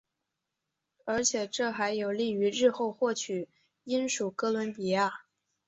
而且这还有利于日后获取英属哥伦比亚。